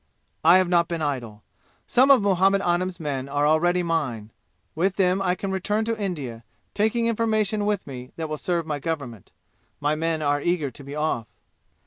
"I have not been idle. Some of Muhammad Anim's men are already mine. With them I can return to India, taking information with me that will serve my government. My men are eager to be off.